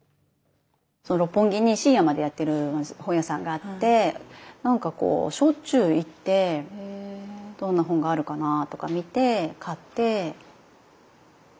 六本木に深夜までやってる本屋さんがあってなんかしょっちゅう行ってどんな本があるかなぁとか見て買って。